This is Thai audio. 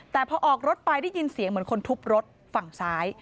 แต่พอออกรถไปได้ยินเสียงเหมือนคนทุบรถฝั่งซ้าย